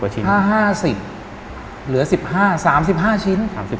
๕๐ชิ้นเหลือ๑๕ชิ้น๓๕ชิ้น